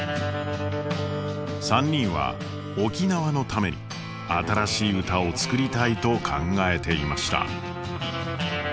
３人は沖縄のために新しい歌を作りたいと考えていました。